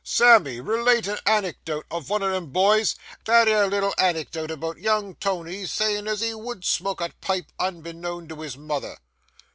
Sammy, relate a anecdote o' vun o' them boys,—that 'ere little anecdote about young Tony sayin' as he would smoke a pipe unbeknown to his mother.